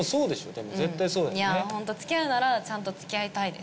でも絶対そうだよねいやホントつきあうならちゃんとつきあいたいです